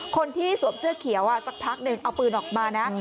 สวมเสื้อเขียวสักพักหนึ่งเอาปืนออกมานะ